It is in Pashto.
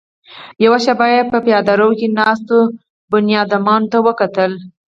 يوه شېبه يې په پياده رو کې ناستو بنيادمانو ته وکتل.